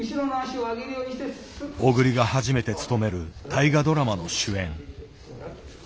小栗が初めて務める大河ドラマの主演。